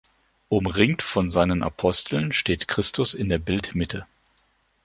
Umringt von seinen Aposteln steht Christus in der Bildmitte.